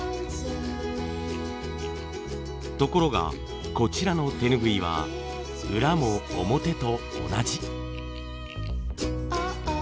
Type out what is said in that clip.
ところがこちらの手ぬぐいは裏も表と同じ。